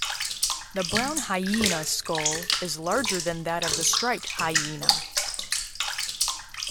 The brown hyena's skull is larger than that of the striped hyena.